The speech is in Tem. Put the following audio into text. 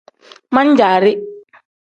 Man-jaari.